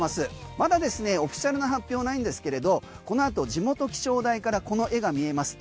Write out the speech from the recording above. まだオフィシャルな発表ないんですけれどこのあと地元気象台からこの画が見えますと